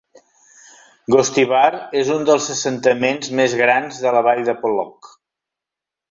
Gostivar és un dels assentaments més grans de la vall de Polog.